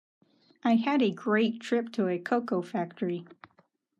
I had a great trip to a cocoa factory.